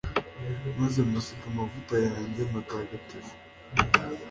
maze musiga amavuta yanjye matagatifu